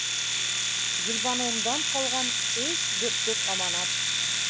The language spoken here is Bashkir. Гөлбаныуымдан ҡалған өс бөртөк аманат...